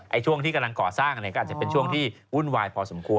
ช่วงที่กำลังก่อสร้างอันนี้ก็อาจจะเป็นช่วงที่วุ่นวายพอสมควร